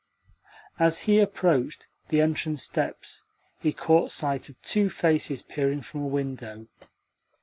As he approached the entrance steps he caught sight of two faces peering from a window.